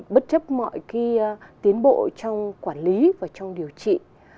bất chấp mọi tiến bộ trong quản lý và trong điều trị